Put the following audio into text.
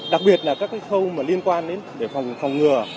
đặc biệt là các khâu liên quan đến phòng ngừa